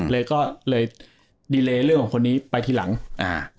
เลยก็เลยดีเลเรื่องของคนนี้ไปทีหลังอ่า